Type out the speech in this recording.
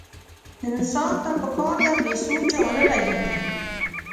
انسان ته پکار ده بې سوچه ونه غږېږي.